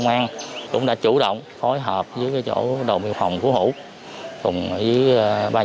công an xã cũng đã chủ động trực tiếp tiên truyền và vận động những người đưa đo